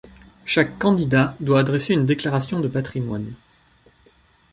Chaque candidat doit adresser une déclaration de patrimoine.